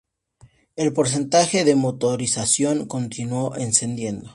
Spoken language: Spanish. El porcentaje de motorización continuó descendiendo.